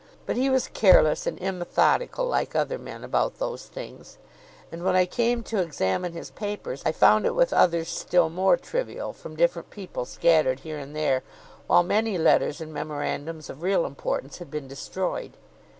But he was careless and immethodical, like other men, about those things; and when I came to examine his papers, I found it with others still more trivial, from different people scattered here and there, while many letters and memorandums of real importance had been destroyed.